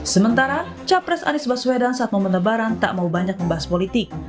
sementara capres anies baswedan saat momen lebaran tak mau banyak membahas politik